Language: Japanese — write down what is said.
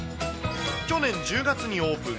去年１０月にオープン。